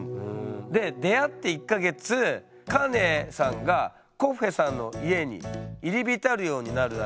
で出会って１か月カネさんがコッフェさんの家に入り浸るようになるらしいんですよ。